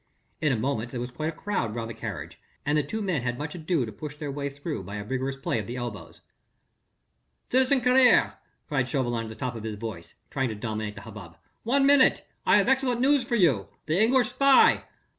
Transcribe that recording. In a moment there was quite a crowd round the carriage, and the two men had much ado to push their way through by a vigorous play of their elbows. "Citizen Carrier!" cried Chauvelin at the top of his voice, trying to dominate the hubbub, "one minute ... I have excellent news for you.... The English spy...."